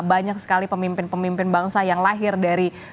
banyak sekali pemimpin pemimpin bangsa yang lahir dari